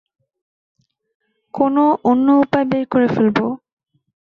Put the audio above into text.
কোনো অন্য উপায় বের করে ফেলব।